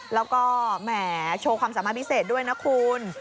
แล้วก็แหมโชว์ความสามารถพิเศษด้วยนะคุณ